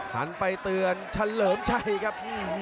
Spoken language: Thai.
หันไปเตือนเฉลิมชัยครับ